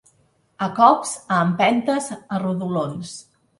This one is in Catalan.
A cops, a empentes, a rodolons